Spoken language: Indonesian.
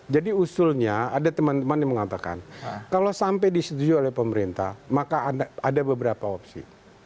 jadi usulnya ada teman teman yang mengatakan kalau sampai disetuju oleh pemerintah maka ada beberapa opsi